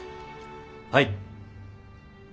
はい。